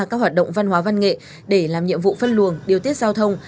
các hoạt động văn hóa văn nghệ để làm nhiệm vụ phân luồng điều tiết giao thông